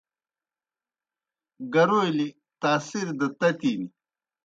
گَرَولِیْ تاثِیر دہ تَتِن۔